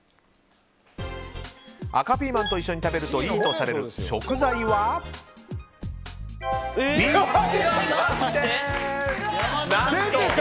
赤ピーマンと一緒に食べるといいとされる食材はＢ、イワシです！